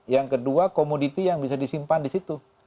yang kedua komoditi yang bisa disimpan disitu